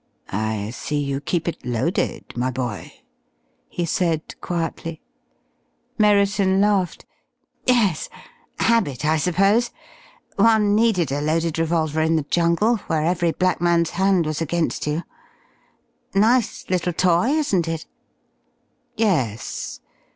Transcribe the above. "I see you keep it loaded, my boy," he said quietly. Merriton laughed. "Yes. Habit, I suppose. One needed a loaded revolver in the jungle where every black man's hand was against you. Nice little toy, isn't it?" "Yes.